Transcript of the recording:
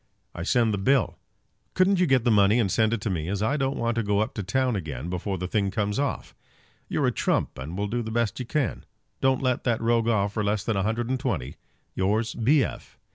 "I send the bill. Couldn't you get the money and send it me, as I don't want to go up to town again before the thing comes off? You're a trump; and will do the best you can. Don't let that rogue off for less than a hundred and twenty. Yours, B. F."